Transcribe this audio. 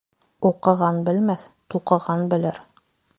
Уҡыған белмәҫ, туҡыған белер.